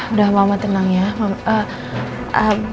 udah mama tenang ya kita semua disini